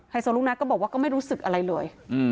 โซลูกนัทก็บอกว่าก็ไม่รู้สึกอะไรเลย